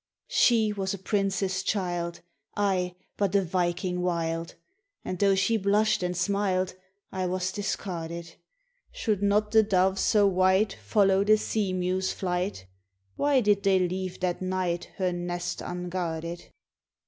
"She was a Prince's child, I but a Viking wild, And though she blushed and smiled, I was discarded! Should not the dove so white Follow the sea mew's flight, Why did they leave that night Her nest unguarded?